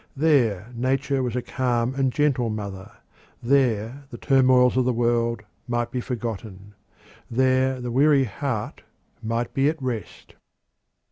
There Nature was a calm and gentle mother: there the turmoils of the world might be forgotten; there the weary heart might be at rest.